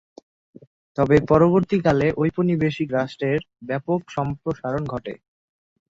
তবে পরবর্তীকালে ঔপনিবেশিক রাষ্ট্রের ব্যাপক সম্প্রসারণ ঘটে।